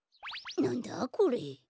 なんだこれ？